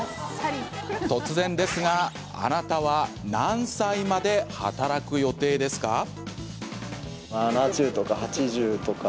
突然ですが、あなたは何歳まで働く予定ですか？